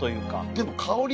でも香り